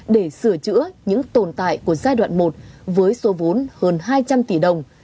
để sửa chữa những tồn tại của giai đoạn một với số vốn hơn hai trăm linh tỷ đồng